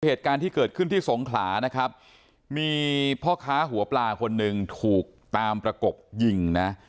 เหตุการณ์ที่เกิดขึ้นที่สงขลานะครับมีพ่อค้าหัวปลาคนหนึ่งถูกตามประกบยิงนะ